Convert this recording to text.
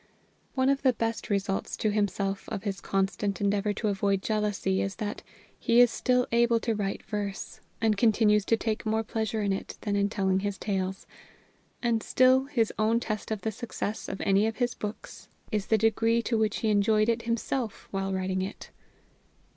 One of the best results to himself of his constant endeavor to avoid jealousy is that he is still able to write verse, and continues to take more pleasure in it than in telling his tales. And still his own test of the success of any of his books is the degree to which he enjoyed it himself while writing it.